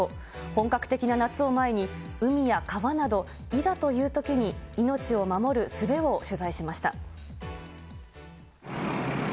本格的な夏を前に、海や川など、いざというときに命を守るすべを取材しました。